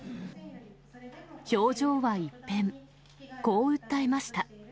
表情は一変、こう訴えました。